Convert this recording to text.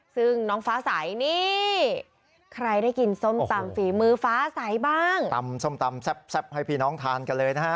ซึ่งน้องฟ้าใสนี่ใครได้กินส้มตำฝีมือฟ้าใสบ้างตำส้มตำแซ่บให้พี่น้องทานกันเลยนะฮะ